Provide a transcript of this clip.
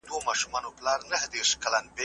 زه له سهاره د کتابتون پاکوالی کوم!.